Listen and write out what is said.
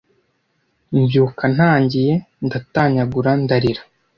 mbyuka ntangiye ndatanyagura ndarira